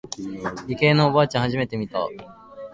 理系のおばあちゃん初めて見た。